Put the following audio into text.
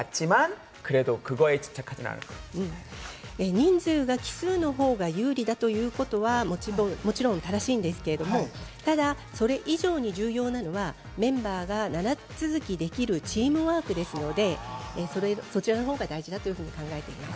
人数が奇数の方が有利だということはもちろん正しいんですけれども、ただ、それ以上に重要なのが、メンバーが長続きできるチームワークですので、そちらの方が大事だというふうに考えています。